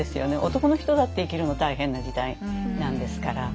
男の人だって生きるの大変な時代なんですから。